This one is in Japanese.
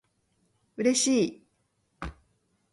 嬉しい